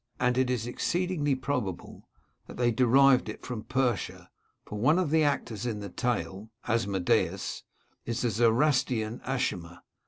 And it is exceed ingly probable that they derived it from Persia, for one of the actors in the tale, Asmodeus, is the Zoroastrian A^shma.